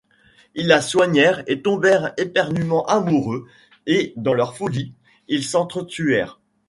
Ils la soignèrent et tombèrent éperdument amoureux et dans leur folie, ils s'entretuèrent.